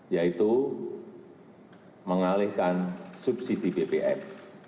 yaitu mengalihkan subsidi bbm